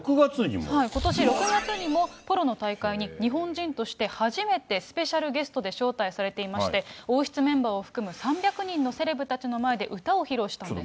ことし６月にもポロの大会に日本人として初めて、スペシャルゲストで招待されていまして、王室メンバーを含む３００人のセレブたちの前で、歌を披露したんです。